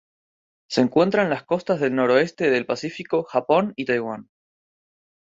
Se encuentra en las costas del noroeste del Pacífico: Japón y Taiwán.